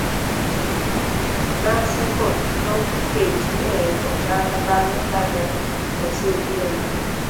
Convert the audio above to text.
Naseko noketi e otanda bang'e ka ne osewire mo